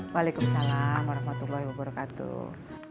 waalaikumsalam warahmatullahi wabarakatuh